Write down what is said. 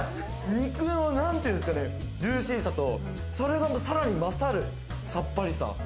肉がなんていうんですかね、ジューシーさと、それがさらに勝るさっぱりさ。